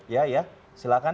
ya ya silahkan